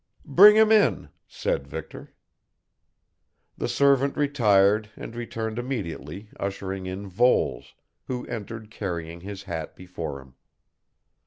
"Bring him in," said Victor. The servant retired and returned immediately ushering in Voles, who entered carrying his hat before him.